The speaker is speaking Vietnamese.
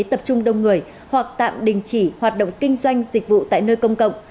tập trung đông người hoặc tạm đình chỉ hoạt động kinh doanh dịch vụ tại nơi công cộng